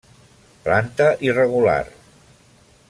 Planta irregular.